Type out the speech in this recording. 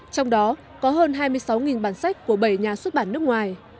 trong đó có hơn hai mươi sáu bản sách của bảy nhà xuất bản nước ngoài